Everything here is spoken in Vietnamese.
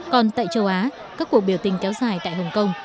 còn tại châu á các cuộc biểu tình kéo dài tại hồng kông